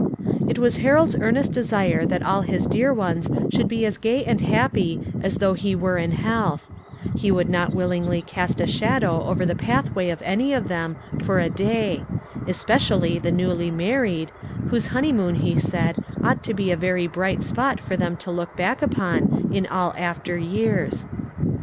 It was Harold's earnest desire that all his dear ones should be as gay and happy as though he were in health; he would not willingly cast a shadow over the pathway of any of them, for a day; especially the newly married, whose honeymoon, he said, ought to be a very bright spot for them to look back upon in all after years.